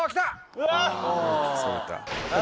・うわ！